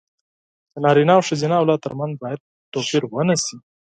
د نارينه او ښځينه اولاد تر منځ بايد توپير ونشي.